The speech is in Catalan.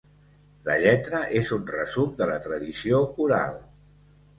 La lletra és un resum de la tradició oral.